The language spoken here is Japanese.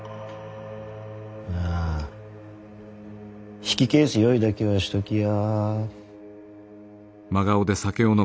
まあ引き返す用意だけはしときや。